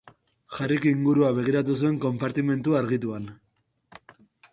Harryk ingurura begiratu zuen konpartimentu argituan.